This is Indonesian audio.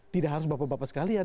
tidak harus bapak bapak sekalian